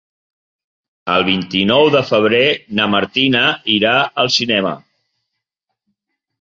El vint-i-nou de febrer na Martina irà al cinema.